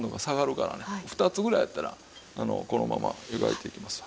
２つぐらいやったらこのまま湯がいていきますわ。